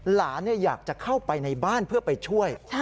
หลานอยากจะเข้าไปในบ้านเพื่อไปช่วย